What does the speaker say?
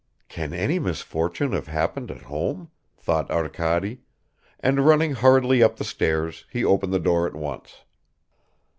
"Can any misfortune have happened at home?" thought Arkady, and running hurriedly up the stairs he opened the door at once.